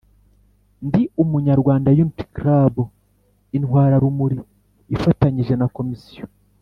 Ndi umunyarwanda unity club intwararumuri ifatanyije na komisiyo